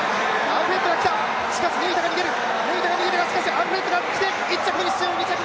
アルフレッドがきて１着フィニッシュ！